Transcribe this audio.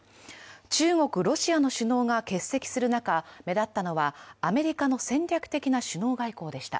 中国、ロシアの首脳が欠席する中、目立ったのはアメリカの戦略的な首脳外交でした。